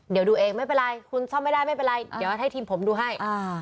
เดี๋ยวดูเองไม่เป็นไรคุณซ่อมไม่ได้ไม่เป็นไรเดี๋ยวให้ทีมผมดูให้